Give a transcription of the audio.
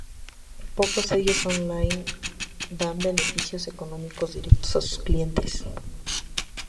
Pocos sellos on-line dan beneficios económicos directos a sus clientes.